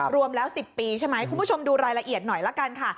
รวมแล้ว๑๐ปีใช่ไหมคุณผู้ชมดูรายละเอียดหน่อยละกันค่ะ